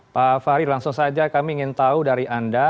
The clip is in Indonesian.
pak fahri langsung saja kami ingin tahu dari anda